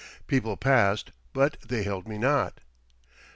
People passed, but they held me not.